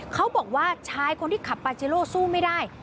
เขาบอกว่าชายคนที่ขับปาเจโลสู้ไม่ได้